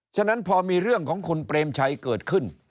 ฉะนั้นพอมีเรื่องของคุณเปรมชัยเกิดขึ้น